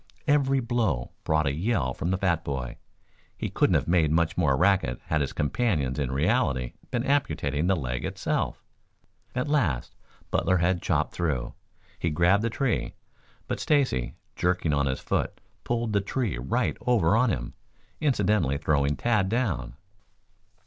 Every blow brought a yell from the fat boy. He couldn't have made much more racket had his companions in reality been amputating the leg itself. At last Butler had chopped through. He grabbed the tree, but Stacy, jerking on his foot, pulled the tree right over on him, incidentally throwing Tad down.